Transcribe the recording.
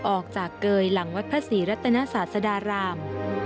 ออกจากเกยหลังวัดพระศรีรัตนศาสดาราม